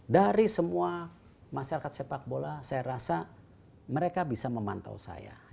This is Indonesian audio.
dari semua masyarakat sepak bola saya rasa mereka bisa memantau saya